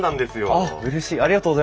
あっうれしいありがとうございます。